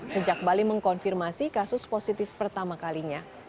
sejak bali mengkonfirmasi kasus positif pertama kalinya